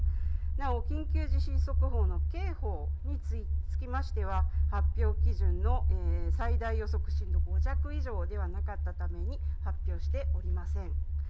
なお、緊急地震速報の警報につきましては発表基準の最大予測震度５弱以上ではなかったため発表しておりません。